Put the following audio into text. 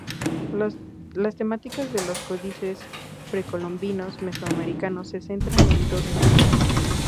Las temáticas de los códices precolombinos mesoamericanos se centran en dos cuestiones.